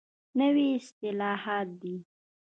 نوي اصطلاحات دي.